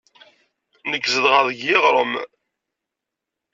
Nekk zedɣeɣ deg yiɣrem.